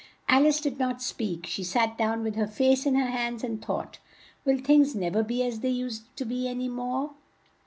Al ice did not speak; she sat down with her face in her hands, and thought, "Will things nev er be as they used to an y more?"